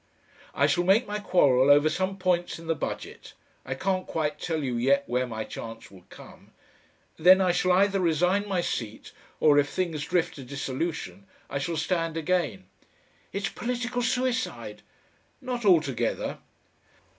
"I shall make my quarrel over some points in the Budget. I can't quite tell you yet where my chance will come. Then I shall either resign my seat or if things drift to dissolution I shall stand again." "It's political suicide." "Not altogether."